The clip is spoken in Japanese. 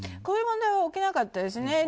こういう問題は起きなかったですね。